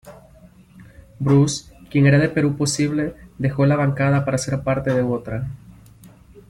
Bruce, quien era de Perú Posible, dejó la Bancada para ser parte de otra.